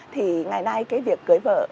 thì ngày nay cái việc cưới vợ